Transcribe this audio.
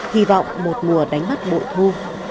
hy vọng một mùa đánh bắt bộ thu